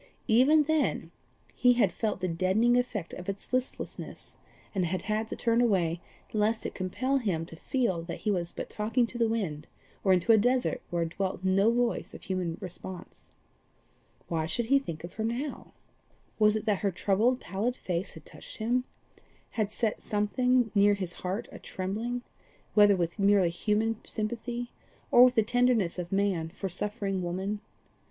Even then he had felt the deadening effect of its listlessness, and had had to turn away lest it should compel him to feel that he was but talking to the winds, or into a desert where dwelt no voice of human response. Why should he think of her now? Was it that her troubled pallid face had touched him had set something near his heart a trembling, whether with merely human sympathy or with the tenderness of man for suffering woman?